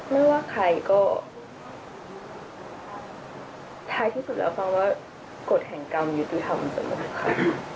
ไม่ว่าใครก็ท้ายที่สุดแล้วฟังว่ากฎแห่งกรรมอยู่ที่ทำจำนวดค่ะ